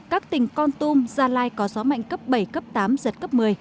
các tỉnh con tum gia lai có gió mạnh cấp bảy cấp tám giật cấp một mươi